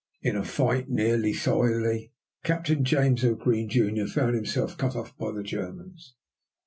In a fight near Le Thiolet, Captain James O. Green, Jr., found himself cut off by the Germans.